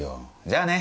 じゃあね